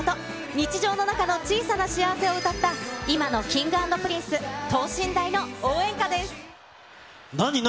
日常の中の小さな幸せを歌った、今のＫｉｎｇ＆Ｐｒｉｎｃｅ、何、何？